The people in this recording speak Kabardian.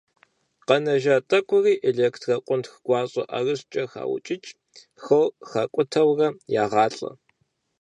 Къэнэжа тӀэкӀури электрокъунтх гуащӀэ ӀэрыщӀкӀэ хаукӀыкӀ, хлор хакӀутэурэ ягъалӀэ.